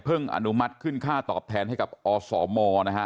อนุมัติขึ้นค่าตอบแทนให้กับอสมนะฮะ